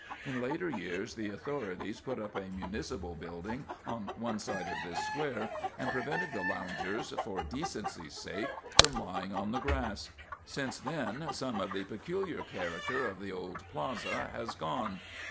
In later years the authorities put up a municipal building on one side of this square and prevented the loungers, for decency's sake, from lying on the grass. Since then some of the peculiar character of the old plaza has gone.